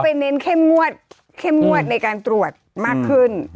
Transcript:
แต่เค้าไปเน้นเข้มงวดในการตรวจมากขึ้น